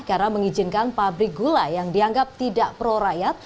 karena mengizinkan pabrik gula yang dianggap tidak pro rayat